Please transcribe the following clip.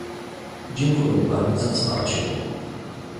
Dziękuję pani za wsparcie